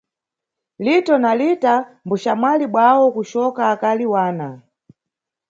Lito na Lita mbuxamwali bwawo kucoka akali wana.